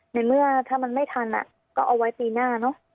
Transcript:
ในเมื่อถ้ามันไม่ทันก็เอาไว้ปีหน้าเนอะ